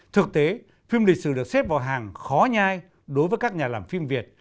thực tế phim lịch sử được xếp vào hàng khó nhai đối với các nhà làm phim việt